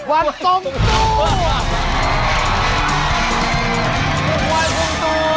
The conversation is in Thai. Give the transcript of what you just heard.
วันทมตัว